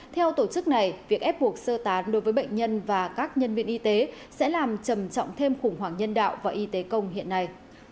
theo tổ chức này việc ép buộc sơ tán đối với bệnh nhân và các nhân viên y tế sẽ làm trầm trọng thêm khủng hoảng nhân đạo và y tế công hiện nay